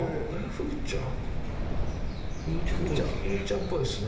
風ちゃんっぽいですね。